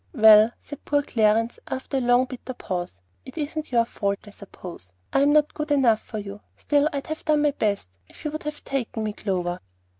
"Well," said poor Clarence, after a long bitter pause; "it isn't your fault, I suppose. I'm not good enough for you. Still, I'd have done my best, if you would have taken me, Clover."